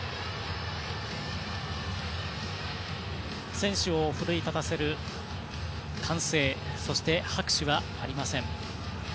選手を奮い立たせる歓声そして、拍手はありません。